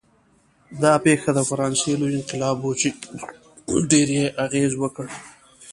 دا پېښه د فرانسې لوی انقلاب و چې ډېر یې اغېز وکړ.